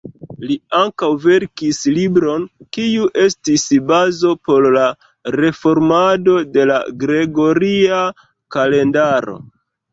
Li ankaŭ verkis libron kiu estis bazo por la reformado de la gregoria kalendaro.